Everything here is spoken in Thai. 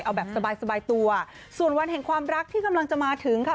เอาแบบสบายสบายตัวส่วนวันแห่งความรักที่กำลังจะมาถึงค่ะ